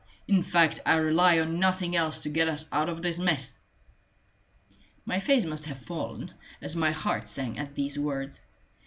In fact, I rely on nothing else to get us out of this mess." My face must have fallen, as my heart sank at these words.